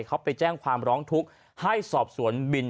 เขาไปแจ้งความร้องทุกข์ให้สอบสวนบิน